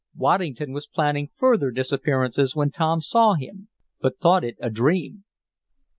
Waddington was planning further disappearances when Tom saw him, but thought it a dream.